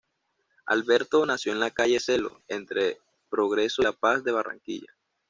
Alberto nació en la calle Sello, entre Progreso y La Paz de Barranquilla.